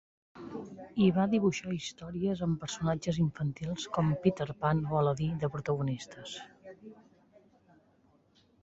Hi va dibuixar històries amb personatges infantils com Peter Pan o Aladí de protagonistes.